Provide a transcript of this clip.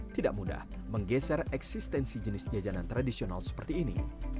tidak mudah menggeser eksistensi jenis jajanan tradisional seperti ini